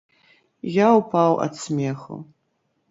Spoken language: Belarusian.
Я ўпаў ад смеху.